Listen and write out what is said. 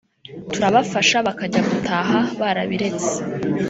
turabafasha bakajya gutaha barabiretse